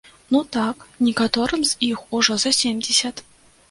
Ну так, некаторым з іх ужо за семдзесят!